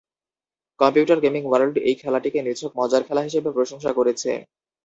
Computer gaming world এই খেলাটিকে নিছক মজার খেলা হিসেবে প্রশংসা করেছে।